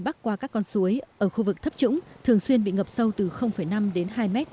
bắc qua các con suối ở khu vực thấp trũng thường xuyên bị ngập sâu từ năm đến hai m